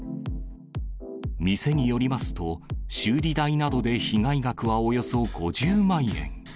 店によりますと、修理代などで被害額はおよそ５０万円。